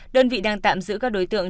đơn vị đang tạm giữ các đối tượng